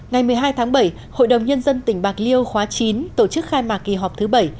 ngày một mươi hai tháng bảy hội đồng nhân dân tỉnh bạc liêu khóa chín tổ chức khai mạc kỳ họp thứ bảy